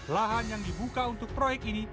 lahan yang dibuka untuk proyek ini